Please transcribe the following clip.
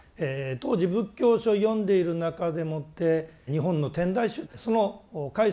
当時仏教書読んでいる中でもって日本の天台宗その開祖であります